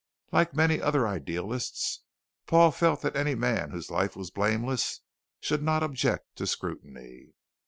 Like many other idealists, Paul felt that any man whose life was blameless should not object to scrutiny.